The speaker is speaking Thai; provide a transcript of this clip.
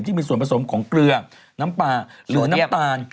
ที่มีส่วนผสมของเกลือน้ำปลาหรือน้ำตาล